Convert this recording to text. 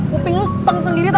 kuping lo speng sendiri tau gak